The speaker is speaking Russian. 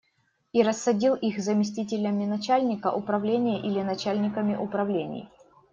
И рассадил их заместителями начальника управления или начальниками управлений.